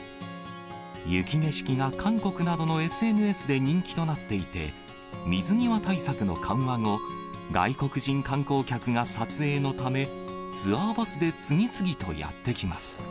雪景色が韓国などのＳＮＳで人気となっていて、水際対策の緩和後、外国人観光客が撮影のため、ツアーバスで次々とやって来ます。